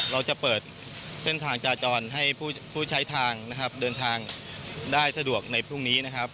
เราจะเปิดเส้นทางจราจรให้ผู้ใช้ทางนะครับเดินทางได้สะดวกในพรุ่งนี้นะครับ